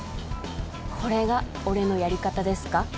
これが「俺のやり方」ですか？